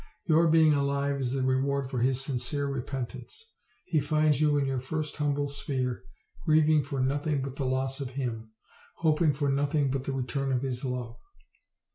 Your being alive is the reward for his sincere repentance. He finds you in your first humble sphere, grieving for nothing but the loss of him, hoping for nothing but the return of his love."